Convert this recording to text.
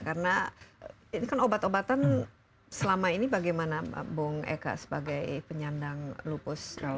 karena ini kan obat obatan selama ini bagaimana bung eka sebagai penyandang lupus